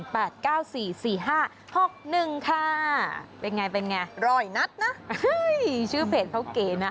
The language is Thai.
เป็นไงเป็นไงร้อยนัดนะเฮ้ยชื่อเพจเขาเก๋นะ